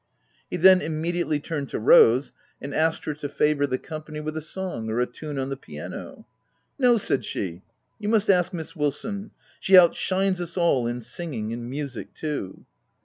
He then immediately turned to Rose, and asked her to favour the company with a song, or a tune on the piano. c< No/' said she ;" you must ask Miss Wil son : she outshines us all in singing, and music too."